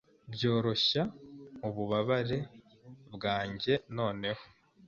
byoroshya ububabare bwanjyenoneho